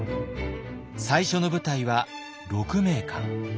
最初の舞台は鹿鳴館。